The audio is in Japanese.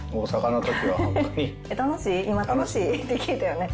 今、楽しい？って聞いたよね。